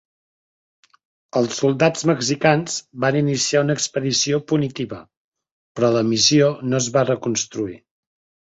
Els soldats mexicans van iniciar una expedició punitiva, però la missió no es va reconstruir.